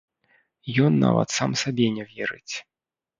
Ён нават сам сабе не верыць.